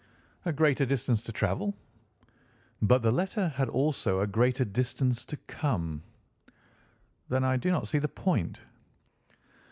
"A greater distance to travel." "But the letter had also a greater distance to come." "Then I do not see the point."